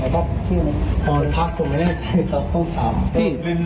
แล้วก็ร้องไห้เขาบอกว่าเขาขอโทษที่นอกใจ